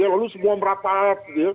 lalu semua merapat